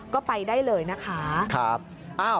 ก็ไปได้เลยนะคะครับค่ะ